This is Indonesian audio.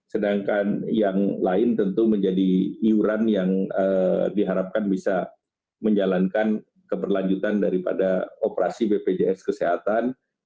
sedangkan yang lain tentu menjadi iuran yang diharapkan bisa menjalankan keberlanjutan daripada operasi bpjs kesehatan